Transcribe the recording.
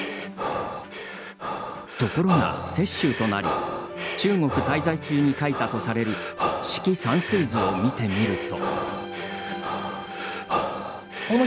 ところが、雪舟となり中国・滞在中に描いたとされる「四季山水図」を見てみると。